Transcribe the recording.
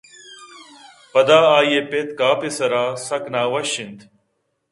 پدا آئی ءِ پت کاف ءِ سراسک نہ وش اِنت